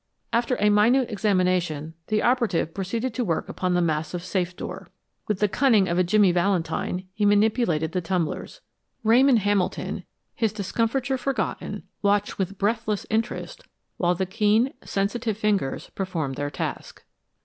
After a minute examination, the operative proceeded to work upon the massive safe door. With the cunning of a Jimmy Valentine he manipulated the tumblers. Ramon Hamilton, his discomfiture forgotten, watched with breathless interest while the keen, sensitive fingers performed their task.